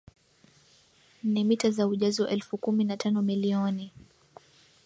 ni mita za ujazo elfu kumi na tano milioni